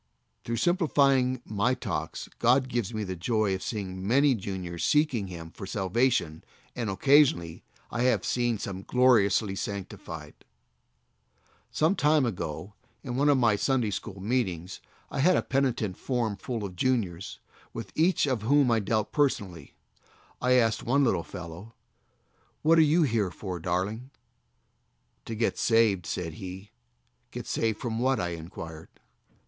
Through simplifying my talks God gives me the joy of seeing many juniors seeking Him for salvation, and occasionally I have seen some gloriously sanctified. Some time ago, in one of my Sunday after noon meetings, I had a penitent form full of juniors, with each of whom I dealt person ally. I asked one little fellow: "What are you here for, darling?" "To get saved," said he. "Get saved from what?" I inquired.